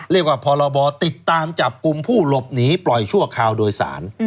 พรบติดตามจับกลุ่มผู้หลบหนีปล่อยชั่วคราวโดยสาร